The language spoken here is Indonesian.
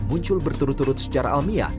muncul berturut turut secara ilmiah